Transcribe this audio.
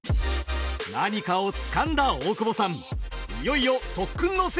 何かをつかんだ大久保さん！